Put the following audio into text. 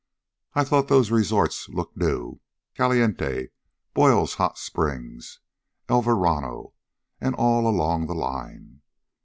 I thought those resorts looked new Caliente, Boyes Hot Springs, El Verano, and all along the line.